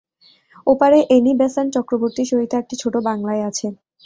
ওপারে Annie Besant চক্রবর্তীর সহিত একটি ছোট বাংলায় আছে।